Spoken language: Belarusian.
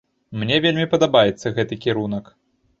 Мне вельмі падабаецца гэты кірунак.